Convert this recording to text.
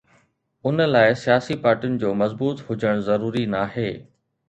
ان لاءِ سياسي پارٽين جو مضبوط هجڻ ضروري ناهي.